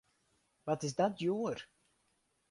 Wat is dat djoer!